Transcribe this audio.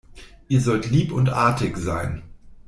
Ihr sollt lieb und artig sein.